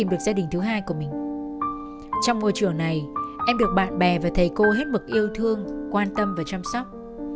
một bạn bè và thầy cô hết mực yêu thương quan tâm và chăm sóc